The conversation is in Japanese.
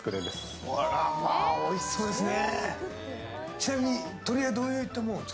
おいしそうですね。